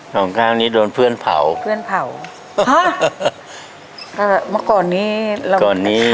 สองข้างนี้โดนเพื่อนเผาเพื่อนเผาฮะอ่าเมื่อก่อนนี้ก่อนนี้